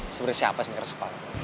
sebenernya siapa sih yang keres kepala